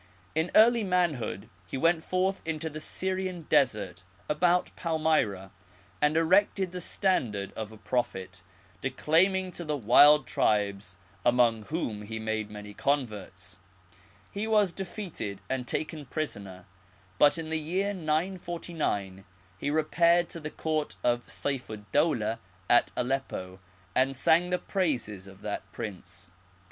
In early manhood he went forth into the Syrian desert about Palmyra, and erected the standard of a Prophet, declaiming to the wild tribes, among rrhom he made many converts. He was defeated and taken The Arabic Language. 25 prisoner, but in the year 949 he repaired to the Court of Seyf ed Dowleh at Aleppo, and sang the praises of that prince.